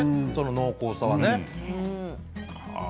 濃厚さがね。